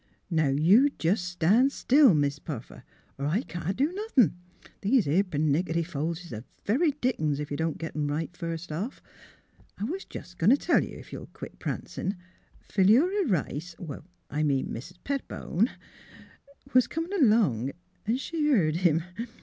''Now you jest stan' still. Mis' Puffer, or I can't do nothin'. These 'ere pernickity folds is the very dickens, ef you don't get 'em right, first off'. — I was jest a goin' t' tell you, if you'll quit prancin', Philura Eice — I mean Mis' Pettibone —• was comin' along, an' she heard him.